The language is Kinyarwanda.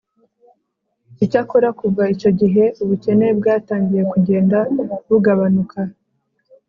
icyakora kuva icyo gihe, ubukene bwatangiye kugenda bugabanuka